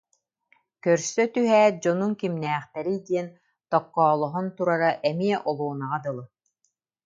көрсө түһээт дьонуҥ кимнээхтэрий диэн токкоолоһон турара эмиэ олуонаҕа дылы